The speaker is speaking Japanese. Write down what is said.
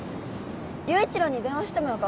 優一郎に電話してもよか？